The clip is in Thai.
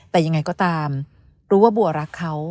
แต่ยังไงก็ตามรู้ว่าบัวรักเขา